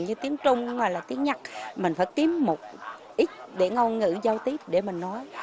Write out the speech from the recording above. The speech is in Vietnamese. như tiếng trung mà là tiếng nhật mình phải kiếm một ít để ngôn ngữ giao tiếp để mình nói